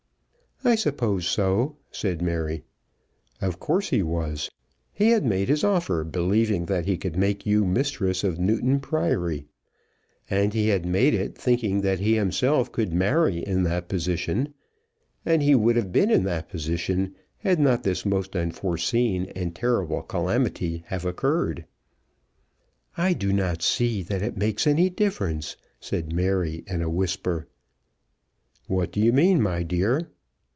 "I suppose so," said Mary. "Of course he was. He had made his offer believing that he could make you mistress of Newton Priory, and he had made it thinking that he himself could marry in that position. And he would have been in that position had not this most unforeseen and terrible calamity have occurred." "I do not see that it makes any difference," said Mary, in a whisper. "What do you mean, my dear?"